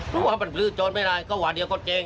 พุ่งว่ามันพื้นจดไม่ได้เขาว่าเดี๋ยวเขาแจง